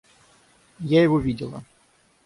Я его видела.